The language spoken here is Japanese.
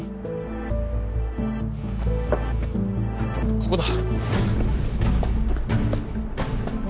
ここだ。